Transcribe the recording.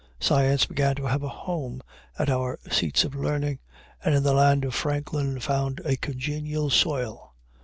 Science began to have a home at our seats of learning, and in the land of Franklin found a congenial soil.